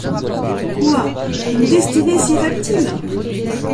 Quoi! une destinée si reptile !